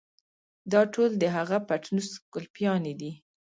دا ټول د هغه پټنوس ګلپيانې دي.